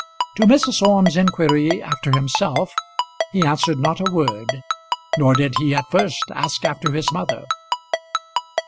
To Mrs. Orme's inquiry after himself he answered not a word, nor did he at first ask after his mother.